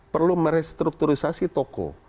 perlu merestrukturisasi toko